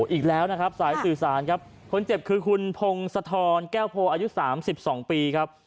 อีกแล้วนะครับสายสื่อสารครับคนเจ็บคือคุณพงศธรแก้วโพอายุ๓๒ปีครับ